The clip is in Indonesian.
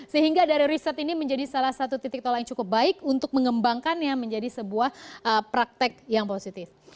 sehingga dari riset ini menjadi salah satu titik tol yang cukup baik untuk mengembangkannya menjadi sebuah praktek yang positif